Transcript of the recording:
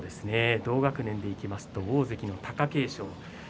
同学年でいきますと大関の貴景勝